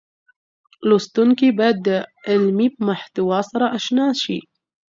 لوستونکي بايد د علمي محتوا سره اشنا شي.